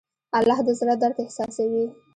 الله د زړه درد احساسوي.